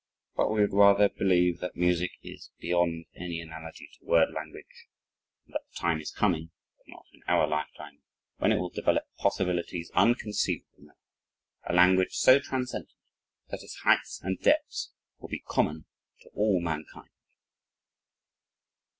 But we would rather believe that music is beyond any analogy to word language and that the time is coming, but not in our lifetime, when it will develop possibilities unconceivable now, a language, so transcendent, that its heights and depths will be common to all mankind.